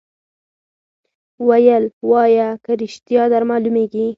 ویل وایه که ریشتیا در معلومیږي